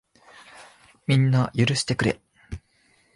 みんな、許してくれ。